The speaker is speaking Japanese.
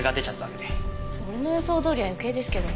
「俺の予想どおり」は余計ですけど。